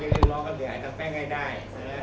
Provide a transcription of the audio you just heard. จะเลยร้องท่าผลหายทางแป้งให้ได้